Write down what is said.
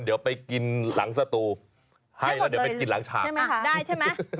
เดี๋ยว๒คนไปกินหลังสตูให้แล้วไปกินหลังชามไหนละคา